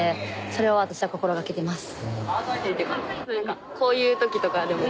それを私は心掛けてます。